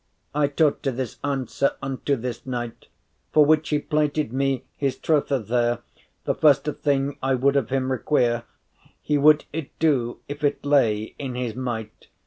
I taughte this answer unto this knight, For which he plighted me his trothe there, The firste thing I would of him requere, He would it do, if it lay in his might.